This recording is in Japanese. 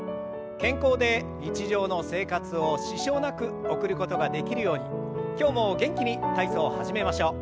健康で日常の生活を支障なく送ることができるように今日も元気に体操を始めましょう。